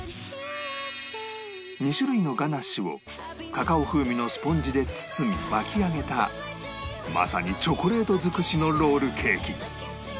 ２種類のガナッシュをカカオ風味のスポンジで包み巻き上げたまさにチョコレート尽くしのロールケーキ